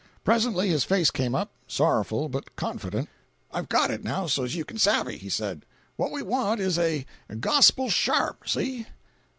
Presently his face came up, sorrowful but confident. "I've got it now, so's you can savvy," he said. "What we want is a gospel sharp. See?"